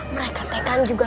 mereka tkw juga kangen sama emak